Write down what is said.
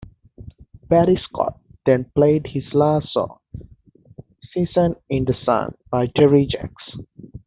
Barry Scott then played his last song, "Seasons in the Sun" by Terry Jacks.